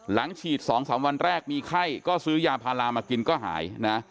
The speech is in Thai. หลังฉีด๒๓วันแรกมีไข้ก็ซื้อยาพารามากินก็หายนะ